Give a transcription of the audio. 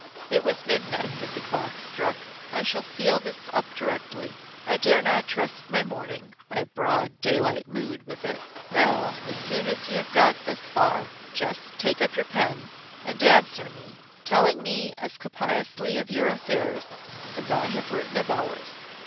It was midnight that the clock struck. I shall seal this up directly. I dare not trust my morning my broad daylight mood with it. Now, as soon as you have got thus far, just take up your pen, and answer me, telling me as copiously of your affairs as I have written of ours.